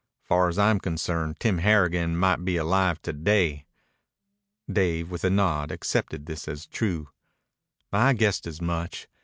Far as I'm concerned Tim Harrigan might be alive to day." Dave, with a nod, accepted this as true. "I guessed as much.